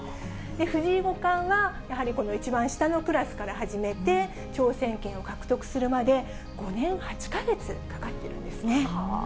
藤井五冠はやはり一番下のクラスから始めて、挑戦権を獲得するまで５年８か月かかってるんですね。